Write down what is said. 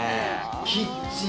キッチン